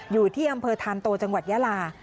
อยู่ที่อำเภอธานโตจังหวัดยาลา